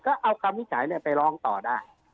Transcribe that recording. ก็เอากำวินิจฉัยเนี่ยไปร้องต่อได้